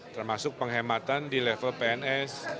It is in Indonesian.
termasuk penghematan di level pns